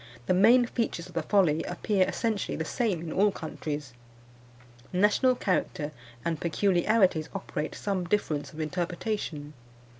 The main features of the folly appear essentially the same in all countries. National character and peculiarities operate some difference of interpretation.